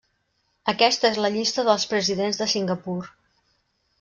Aquesta és la llista dels presidents de Singapur.